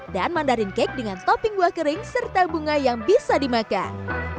dan mandarin cake dengan topping buah kering serta bunga yang bisa dimakan